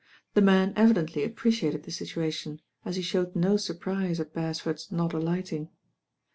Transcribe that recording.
The man evidently appreciated the situation, as he showed no surprise at Beresford's not alighting.